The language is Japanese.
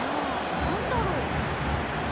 なんだろ？